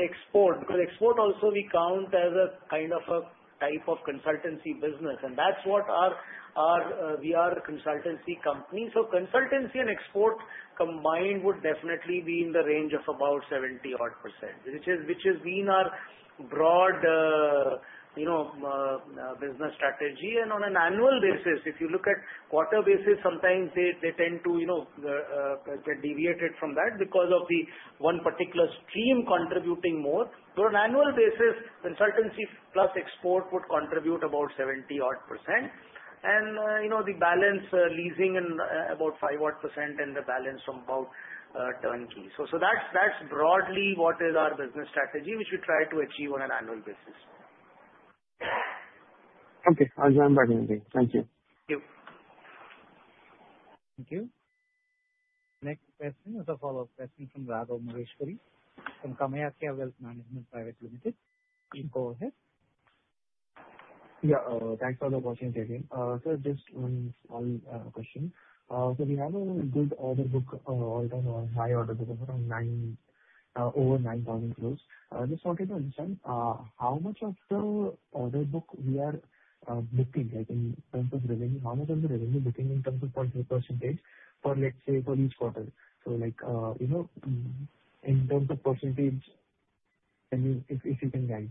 export, because export also we count as a kind of a type of consultancy business, and that's what our... We are a consultancy company. So consultancy and export combined would definitely be in the range of about 70 odd%, which is, which has been our broad, you know, business strategy. And on an annual basis, if you look at quarter basis, sometimes they tend to, you know, get deviated from that because of the one particular stream contributing more. But on an annual basis, consultancy plus export would contribute about 70 odd%. You know, the balance, leasing in about 5 odd percent, and the balance about turnkey. So, that's broadly what is our business strategy, which we try to achieve on an annual basis. Okay, I'll join back in. Thank you. Thank you. Thank you. Next question is a follow-up question from Raghav Maheshwari from Kamaya Wealth Management Private Limited. Please go ahead. Yeah, thanks for the opportunity again. So just one small question. So we have a good order book, or, you know, high order book around nine, over 9,000 crores. Just wanted to understand, how much of the order book we are booking, like, in terms of revenue, how much of the revenue booking in terms of percentage for, let's say, for each quarter? So, like, you know, in, in terms of percentage, can you, if, if you can guide.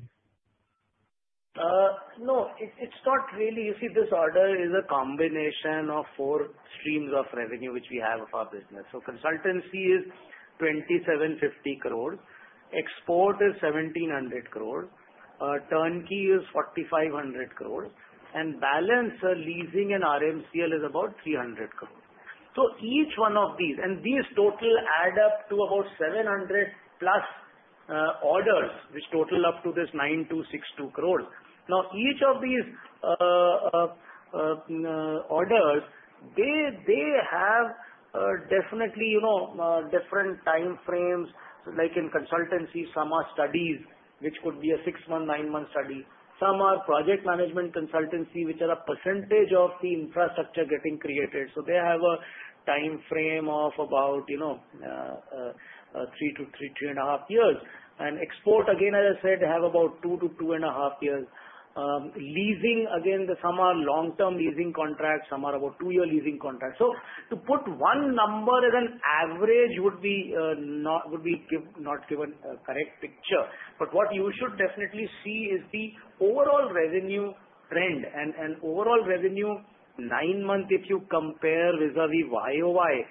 No, it's not really. You see, this order is a combination of four streams of revenue, which we have of our business. So consultancy is 2,750 crores, export is 1,700 crores, turnkey is 4,500 crores, and balance, leasing and REMC is about 300 crores. So each one of these, and these total add up to about 700+ orders, which total up to this 9,262 crores. Now, each of these orders, they have definitely, you know, different time frames. So like in consultancy, some are studies, which could be a 6-month, 9-month study. Some are project management consultancy, which are a percentage of the infrastructure getting created, so they have a time frame of about, you know, 3-3.5 years. Export, again, as I said, have about 2-2.5 years. Leasing, again, some are long-term leasing contracts, some are about 2-year leasing contracts. So to put one number as an average would not give a correct picture. But what you should definitely see is the overall revenue trend and overall revenue nine months, if you compare vis-a-vis YOY,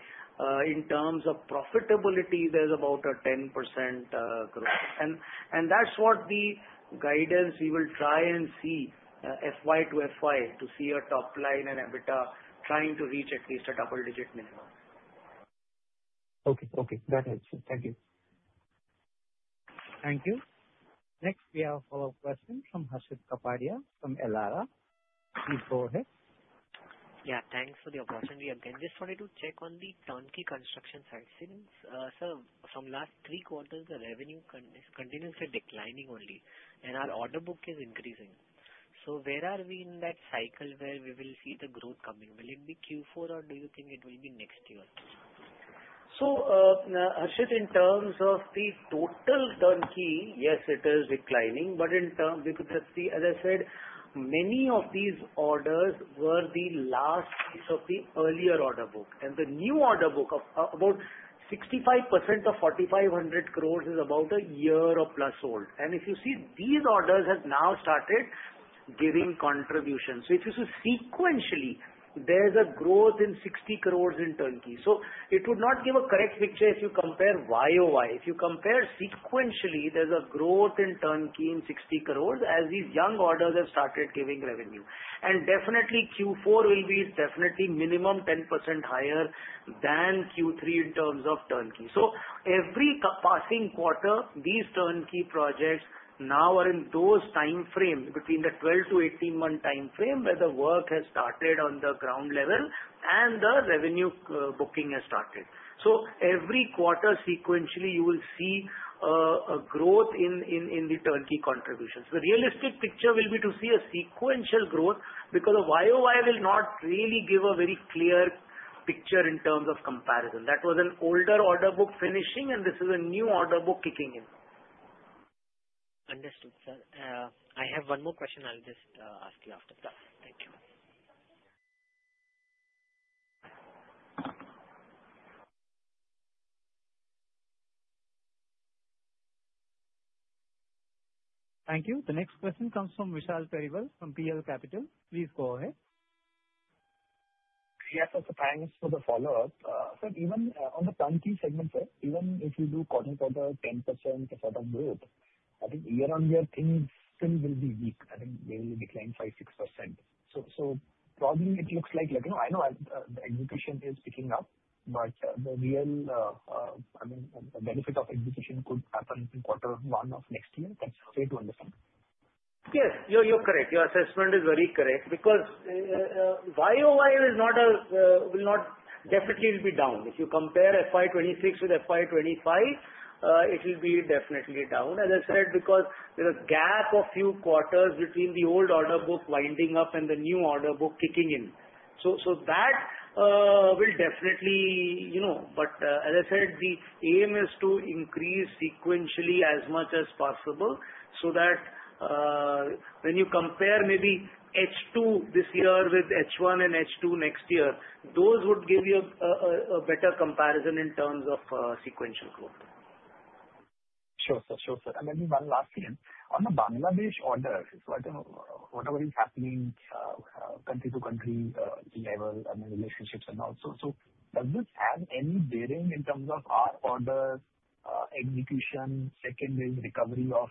in terms of profitability, there's about a 10% growth. And that's what the guidance we will try and see, FY to FY, to see our top line and EBITDA trying to reach at least a double-digit minimum. Okay. Okay, got it. Thank you. Thank you. Next, we have a follow-up question from Harshit Kapadia, from Elara. Please go ahead. Yeah, thanks for the opportunity again. Just wanted to check on the turnkey construction side. Since, sir, from last three quarters, the revenue continuously declining only, and our order book is increasing. So where are we in that cycle where we will see the growth coming? Will it be Q4, or do you think it will be next year? So, Harshit, in terms of the total turnkey, yes, it is declining, but in terms, because the, as I said, many of these orders were the last piece of the earlier order book. And the new order book, about 65% of 4,500 crores is about a year or plus old. And if you see, these orders have now started giving contributions. So if you see sequentially, there's a growth in 60 crores in turnkey. So it would not give a correct picture if you compare YOY. If you compare sequentially, there's a growth in turnkey in 60 crores as these young orders have started giving revenue. And definitely Q4 will be definitely minimum 10% higher than Q3 in terms of turnkey. So every passing quarter, these turnkey projects now are in those time frames between the 12- to 18-month time frame, where the work has started on the ground level and the revenue booking has started. So every quarter sequentially, you will see a growth in the turnkey contributions. The realistic picture will be to see a sequential growth, because a YOY will not really give a very clear picture in terms of comparison. That was an older order book finishing, and this is a new order book kicking in. Understood, sir. I have one more question, I'll just ask you after that. Thank you. Thank you. The next question comes from Vishal Periwal from PL Capital. Please go ahead. Yeah, so thanks for the follow-up. So even on the turnkey segment, sir, even if you do quarter-to-quarter 10% sort of growth, I think year-on-year things still will be weak. I think they will decline 5-6%. So probably it looks like, like, you know, I know the execution is picking up, but the real, I mean, the benefit of execution could happen in quarter one of next year. That's fair to understand? Yes, you're, you're correct. Your assessment is very correct because, YOY is not a, will not. Definitely it'll be down. If you compare FY 2026 with FY 2025, it will be definitely down, as I said, because there's a gap of few quarters between the old order book winding up and the new order book kicking in. So, so that, will definitely, you know, but, as I said, the aim is to increase sequentially as much as possible, so that, when you compare maybe H2 this year with H1 and H2 next year, those would give you a, a, a better comparison in terms of, sequential growth. Sure, sir. Sure, sir. And maybe one last thing. On the Bangladesh order, so what, whatever is happening, country to country level, I mean, relationships and all, so does this have any bearing in terms of our orders execution? Secondly, recovery of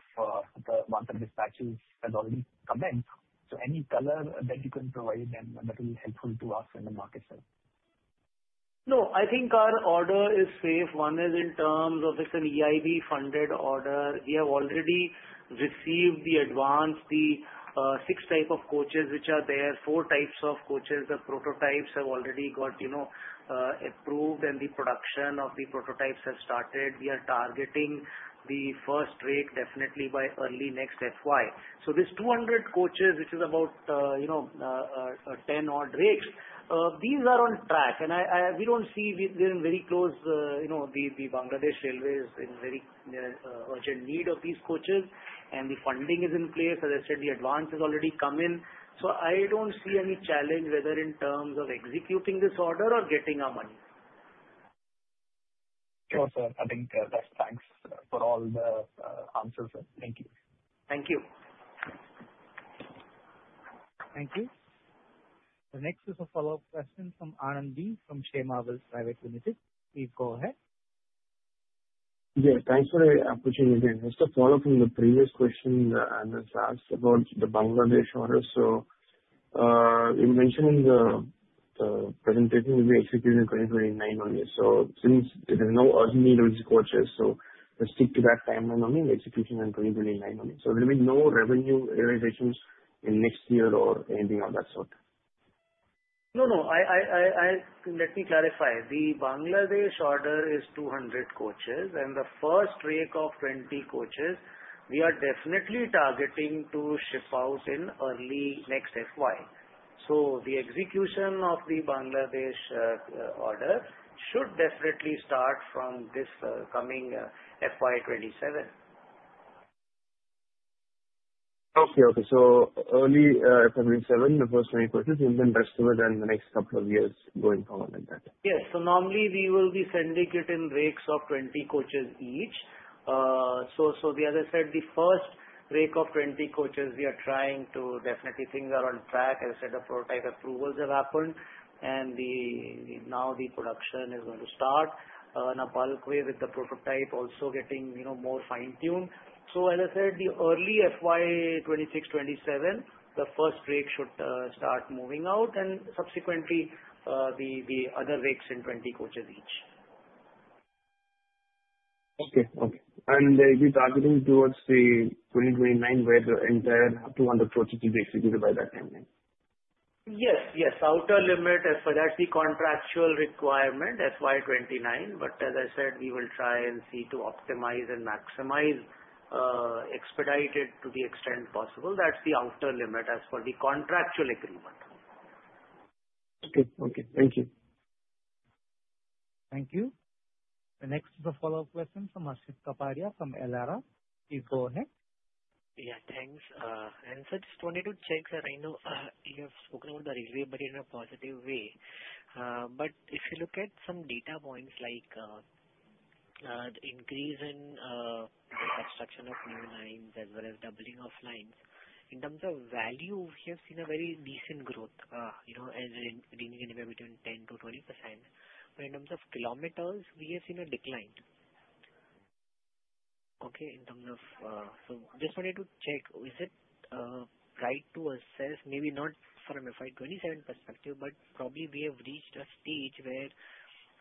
the monthly dispatches has already commenced, so any color that you can provide then that will be helpful to us and the market, sir. No, I think our order is safe. One is in terms of it's an EIB-funded order. We have already received the advance, the 6 types of coaches which are there. 4 types of coaches, the prototypes have already got, you know, approved, and the production of the prototypes has started. We are targeting the first rake definitely by early next FY. So these 200 coaches, which is about, you know, 10 odd rakes, these are on track and we don't see. We're very close, you know, the Bangladesh Railway is in very urgent need of these coaches, and the funding is in place. As I said, the advance has already come in, so I don't see any challenge, whether in terms of executing this order or getting our money. Sure, sir. I think that's thanks for all the answers. Thank you. Thank you. Thank you. The next is a follow-up question from Anand B, from Sharemarket Private Limited. Please go ahead. Yeah, thanks for the opportunity. Just to follow up from the previous question, Anand asked about the Bangladesh order. So, you mentioned in the presentation will be executed in 2029 only. So since there is no urgent need of these coaches, so let's stick to that timeline only, execution in 2029 only. So there will be no revenue realizations in next year or anything of that sort? No, let me clarify. The Bangladesh order is 200 coaches, and the first rake of 20 coaches, we are definitely targeting to ship out in early next FY. So the execution of the Bangladesh order should definitely start from this coming FY 2027. Okay, okay. So early FY 2027, the first 20 coaches will then rest of it in the next couple of years going forward like that? Yes. So normally we will be sending it in rakes of 20 coaches each. So, so the, as I said, the first rake of 20 coaches, we are trying to definitely things are on track. As I said, the prototype approvals have happened, and the, now the production is going to start, in a parallel way with the prototype also getting, you know, more fine-tuned. So as I said, the early FY 2026-2027, the first rake should start moving out and subsequently, the other rakes in 20 coaches each. Okay, okay. And then we'll be targeting towards 2029, where the entire 200 coaches will be executed by that time then? Yes, yes. Outer limit, as for that, the contractual requirement, FY 2029. But as I said, we will try and see to optimize and maximize, expedite it to the extent possible. That's the outer limit as for the contractual agreement. Okay, okay. Thank you. Thank you. The next is a follow-up question from Harshit Kapadia from Elara. Please go ahead. Yeah, thanks. And so just wanted to check, sir. I know you have spoken about the railway, but in a positive way. But if you look at some data points like the increase in the construction of new lines as well as doubling of lines, in terms of value, we have seen a very decent growth, you know, as in ranging anywhere between 10%-20%. But in terms of kilometers, we have seen a decline. Okay, in terms of. So just wanted to check, is it right to assess, maybe not from a FY 2027 perspective, but probably we have reached a stage where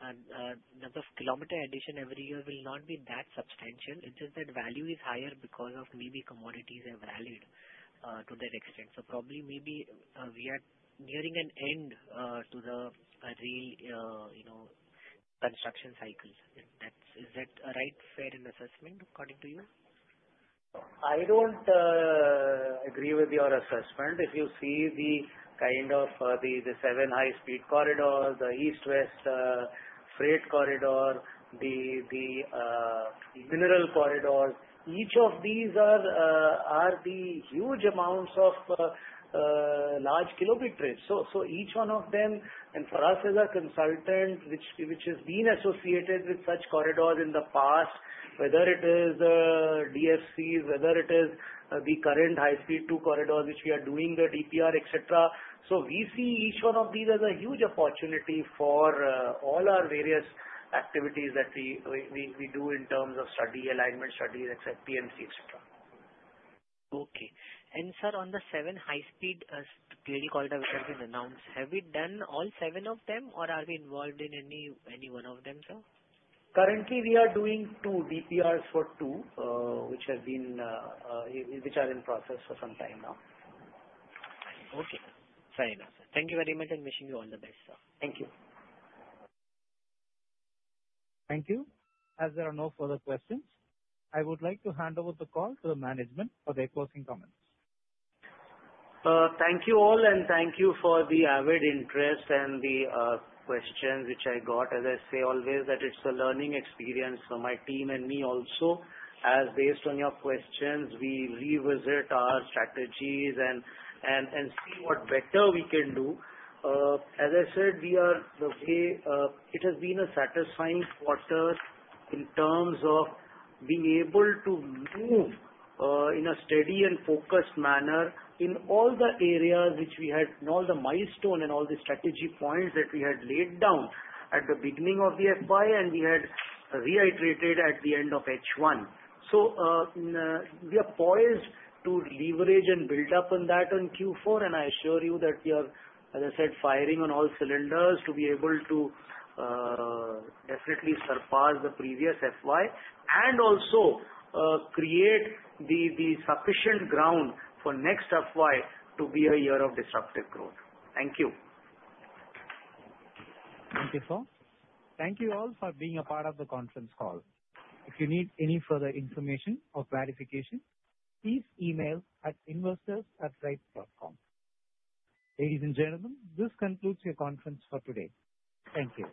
number of kilometer addition every year will not be that substantial. It's just that value is higher because of maybe commodities have valued to that extent. So probably, maybe, we are nearing an end to the rail, you know, construction cycle. Is that, is that a right, fair assessment, according to you? I don't, I agree with your assessment. If you see the kind of seven high speed corridors, the East-West Freight Corridor, the Mineral Corridor, each of these are the huge amounts of large kilometerage. So each one of them, and for us as a consultant, which has been associated with such corridors in the past, whether it is DFCs, whether it is the current High Speed 2 corridor, which we are doing the DPR, et cetera. So we see each one of these as a huge opportunity for all our various activities that we do in terms of study, alignment studies, et cetera, PMC, et cetera. Okay. And sir, on the seven high speed railway corridor which have been announced, have we done all seven of them, or are we involved in any, any one of them, sir? Currently, we are doing two DPRs for two which are in process for some time now. Okay, fair enough, sir. Thank you very much, and wishing you all the best, sir. Thank you. Thank you. As there are no further questions, I would like to hand over the call to the management for their closing comments. Thank you all, and thank you for the avid interest and the questions which I got. As I say always, that it's a learning experience for my team and me also, as based on your questions, we revisit our strategies and see what better we can do. As I said, we are the way it has been a satisfying quarter in terms of being able to move in a steady and focused manner in all the areas which we had... and all the milestone and all the strategy points that we had laid down at the beginning of the FY, and we had reiterated at the end of H1. So, we are poised to leverage and build up on that on Q4, and I assure you that we are, as I said, firing on all cylinders to be able to definitely surpass the previous FY. And also, create the sufficient ground for next FY to be a year of disruptive growth. Thank you. Thank you, sir. Thank you all for being a part of the conference call. If you need any further information or clarification, please email investors@rites.com. Ladies and gentlemen, this concludes your conference for today. Thank you.